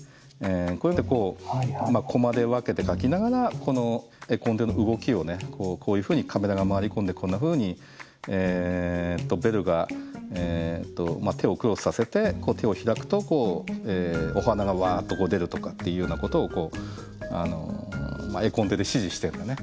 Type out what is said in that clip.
こうやってこうコマで分けて描きながらこの絵コンテの動きをねこういうふうにカメラが回り込んでこんなふうにベルが手をクロスさせて手を開くとこうお花がわっと出るとかっていうようなことをこう絵コンテで指示してるんだね。